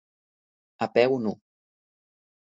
A peu nu.